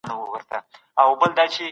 د حقیقي ملي عاید زیاتوالی ولې اړین دی؟